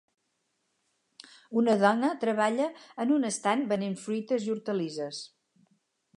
Una dona treballa en un estand venent fruites i hortalisses.